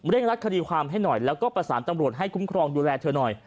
รักคดีความให้หน่อยแล้วก็ประสานตำรวจให้คุ้มครองดูแลเธอหน่อย